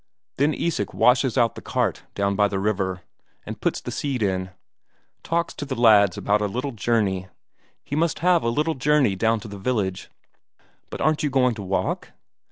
Then Isak washes out the cart down by the river, and puts the seat in. Talks to the lads about a little journey; he must have a little journey down to the village. "But aren't you going to walk?"